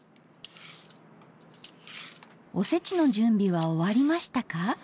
おせちの準備は終わりましたか？